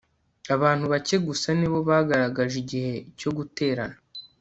abantu bake gusa ni bo bagaragaje igihe cyo guterana